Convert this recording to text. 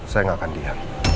saya tidak akan diam